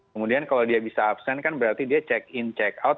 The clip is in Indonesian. kemudian kalau dia bisa absen kan berarti dia check in check out